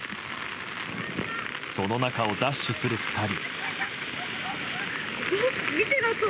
その中をダッシュする２人。